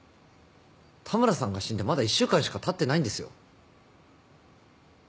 田村さんが死んでまだ１週間しかたってないんですよ。